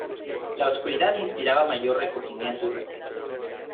La oscuridad inspiraba mayor recogimiento y respeto.